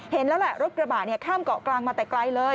เห็นแล้วแหละรถกระบะข้ามเกาะกลางมาแต่ไกลเลย